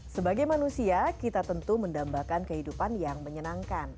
sebagai manusia kita tentu mendambakan kehidupan yang menyenangkan